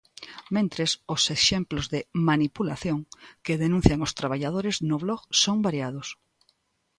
Mentres, os exemplos de "manipulación" que denuncian os traballadores no blog son variados.